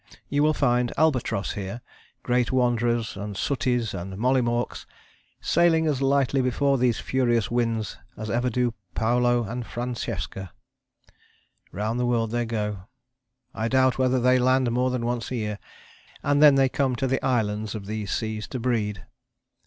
You will find albatross there great Wanderers, and Sooties, and Mollymawks sailing as lightly before these furious winds as ever do Paolo and Francesca. Round the world they go. I doubt whether they land more than once a year, and then they come to the islands of these seas to breed.